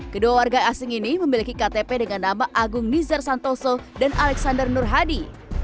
kedua warga asing ini memiliki ktp dengan nama agung nizar santoso dan alexander nur hadi